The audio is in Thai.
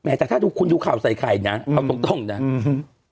แม้แต่ถ้าคุณดูข่าวใส่ไข่เนี่ยเอาตรงเนี่ย